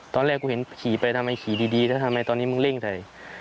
ตอนแรกกูเห็นขี่ไปทำไมขี่ดีแล้วทำไมตอนนี้มึงเร่งใส่